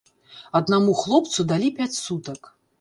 Аднаму хлопцу далі пяць сутак.